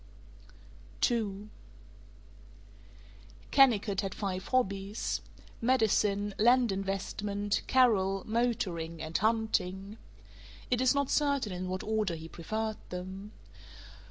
II Kennicott had five hobbies: medicine, land investment, Carol, motoring, and hunting. It is not certain in what order he preferred them.